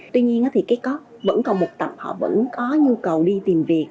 tuy nhiên thì vẫn còn một tập họ vẫn có nhu cầu đi tìm việc